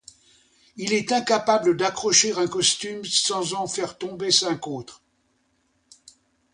Il est incapable d'accrocher un costume sans en faire tomber cinq autres.